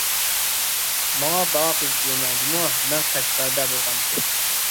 ماڭا باغاق يېزىپ يۈرمەڭ جۇمۇ مەن قەشقەردە بولغاندىكىن.